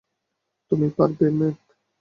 তুমি পারবে, ম্যাভ।